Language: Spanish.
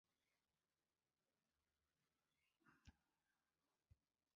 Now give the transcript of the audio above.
La portada de la capilla tenía un arco de medio punto.